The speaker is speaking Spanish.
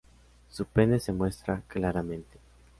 Su pene se muestra claramente.